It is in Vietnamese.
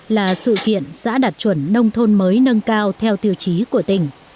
là sự kiện xã đạt chuẩn nông thôn mới nâng cao theo tiêu chí của tỉnh